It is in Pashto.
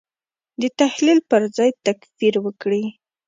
د تحلیل پر ځای تکفیر وکړي.